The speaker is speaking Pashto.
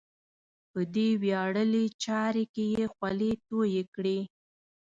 په دې ویاړلې چارې کې یې خولې تویې کړې.